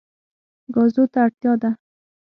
ګازو ته اړتیا ده.